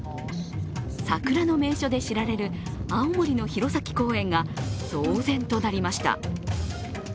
桜の名所で知られる青森の弘前公園が騒然となりました。